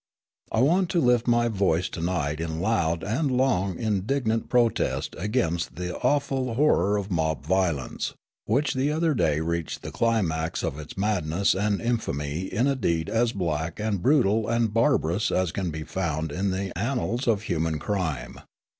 I want to lift my voice to night in loud and long and indignant protest against the awful horror of mob violence, which the other day reached the climax of its madness and infamy in a deed as black and brutal and barbarous as can be found in the annals of human crime.